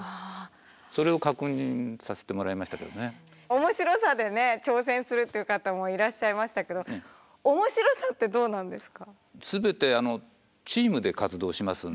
面白さでね挑戦するっていう方もいらっしゃいましたけど面白さってどうなんですか？